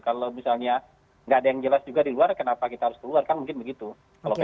kalau misalnya nggak ada yang jelas juga di luar kenapa kita harus keluar kan mungkin begitu